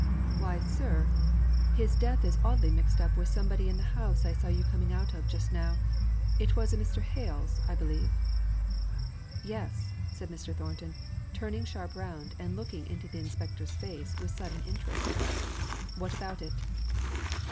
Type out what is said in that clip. "Why, sir, his death is oddly mixed up with somebody in the house I saw you coming out of just now; it was a Mr. Hales's I believe." "Yes!" said Mr. Thornton, turning sharp round and looking into the inspector's face with sudden interest. "What about it?"